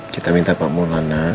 kita minta pak mulana